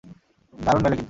দারুণ মেলে কিন্তু।